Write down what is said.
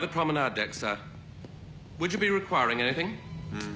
うん。